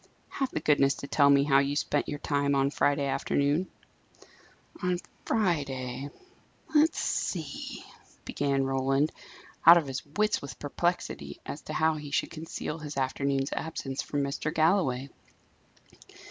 Have the goodness to tell me how you spent your time on Friday afternoon." "On Friday? let's see," began Roland, out of his wits with perplexity as to how he should conceal his afternoon's absence from Mr. Galloway.